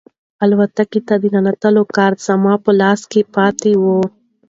الوتکې ته د ننوتلو کارت زما په لاس کې پاتې و.